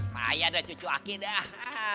maya dah cucu aki dah